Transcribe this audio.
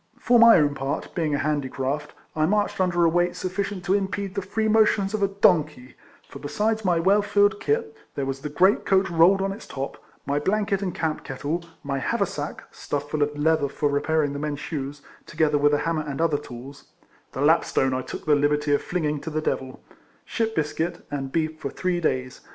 For my own part, being a handicraft, I marched under a weight suf ficient to impede the free motions of a donkey; for besides my well filled kit, there was the great coat rolled on its top, my blanket and camp kettle, my haversack, stuffed full of leather for repairing the men's shoes, together with a hammer and other tools (the lapstone I took the liberty of flinging to the devil), ship biscuit and beef for three days.